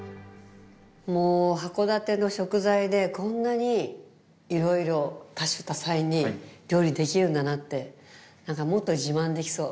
もう函館の食材でこんなにいろいろ多趣多彩に料理できるんだなってもっと自慢できそう。